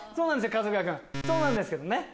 春日君そうなんですけどね。